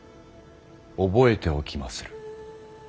覚えておきまする。